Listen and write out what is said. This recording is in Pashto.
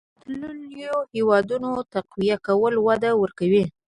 پرمختلليو هېوادونو تقويه کولو وده ورکړه.